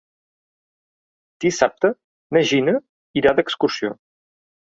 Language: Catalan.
Dissabte na Gina irà d'excursió.